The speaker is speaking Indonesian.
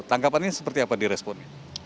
tangkapan ini seperti apa di respon